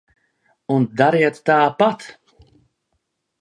Un dariet tāpat!